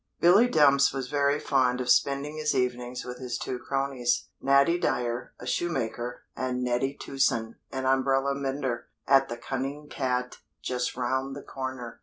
Billy Dumps was very fond of spending his evenings with his two cronies, Natty Dyer, a shoemaker, and Neddy Tueson, an umbrella mender, at the "Cunning Cat," just round the corner.